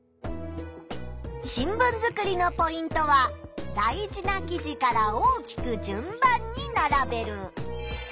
新聞作りのポイントは大事な記事から大きく・順番に並べる。